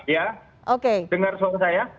ya dengar suara saya